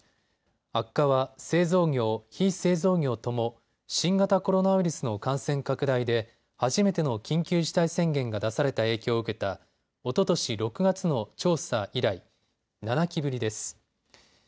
悪化は製造業・非製造業とも新型コロナウイルスの感染拡大で初めての緊急事態宣言が出された影響を受けたおととし６月の調査以来、７期ぶりです。